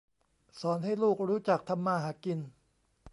สอนให้ลูกรู้จักทำมาหากิน